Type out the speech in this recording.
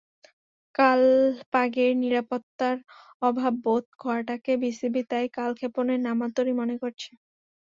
কালপাগের নিরাপত্তার অভাব বোধ করাটাকে বিসিবি তাই কালক্ষেপণের নামান্তরই মনে করছে।